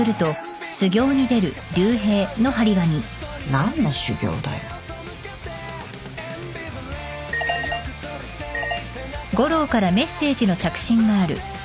何の修行だよ。ハァ。